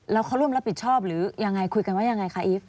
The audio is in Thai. แล้วเขาร่วมรับผิดชอบหรือยังไงคุยกันว่ายังไงคะอีฟ